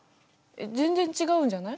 全然違うんじゃない？